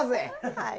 はい。